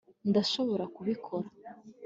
ndashobora kubikora